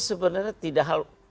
sebenarnya tidak hal